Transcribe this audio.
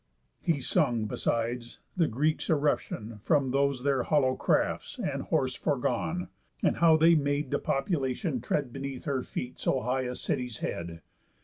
He sung, besides, the Greeks' eruptión From those their hollow crafts, and horse foregone; And how they made depopulation tread Beneath her feet so high a city's head.